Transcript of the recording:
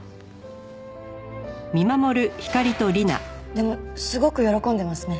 でもすごく喜んでますね。